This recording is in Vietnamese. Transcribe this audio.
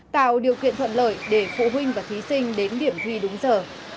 tạo điều kiện thuận lợi để phụ huynh và thí sinh đến điểm thi đúng giờ